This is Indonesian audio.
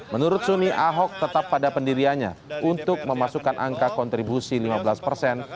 menurut suni ahok tetap pada pendiriannya untuk memasukkan angka kontribusi lima belas persen